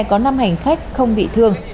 có năm hành khách không bị thương